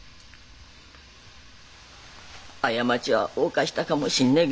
過ちは犯したかもしんねえ